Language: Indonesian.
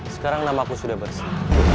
sekarang nama aku sudah bersih